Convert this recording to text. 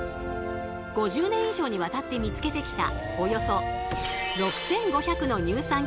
５０年以上にわたって見つけてきた